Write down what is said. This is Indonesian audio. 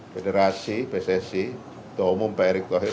federasi pssi atau umum pak erik wahir